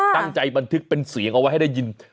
บันทึกเป็นเสียงเอาไว้ให้ได้ยิน